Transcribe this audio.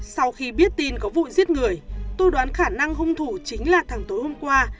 sau khi biết tin có vụ giết người tôi đoán khả năng hung thủ chính là tháng tối hôm qua